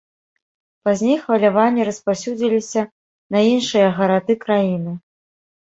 Пазней хваляванні распаўсюдзіліся на іншыя гарады краіны.